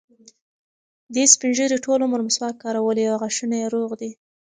دې سپین ږیري ټول عمر مسواک کارولی او غاښونه یې روغ دي.